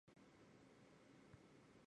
庞祖勒。